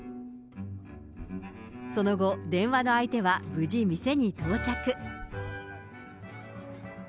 その後、電話の相手は無事店に到着。